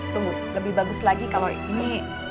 tunggu lebih bagus lagi kalau ini